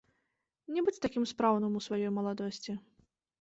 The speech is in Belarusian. Не будзь такім спраўным у сваёй маладосці.